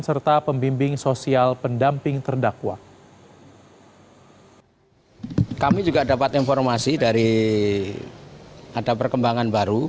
serta pembimbing sosial pendamping terdakwa